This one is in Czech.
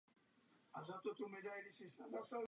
Rovněž se však modely těchto dvou výrobců vzájemně liší.